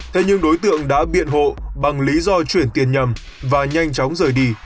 thế nhưng đối tượng đã biện hộ bằng lý do chuyển tiền nhầm và nhanh chóng rời đi